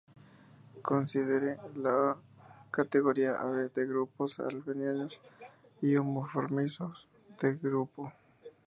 Considere la categoría Ab de grupos abelianos y de homomorfismos de grupo.